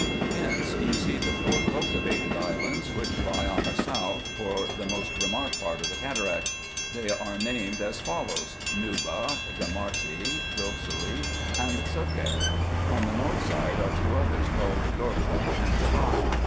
Hence you see the four cultivated islands, which lie on the south, or the most remote part of the cataract. They are named as follows : Nuba, Gamnarty, Ducully, and Suckeyr : on the north side are two others, called Dorge and Tabai.